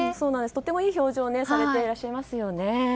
とてもいい表情をされてらっしゃいますよね。